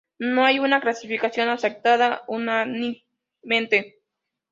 No hay una clasificación aceptada unánimemente.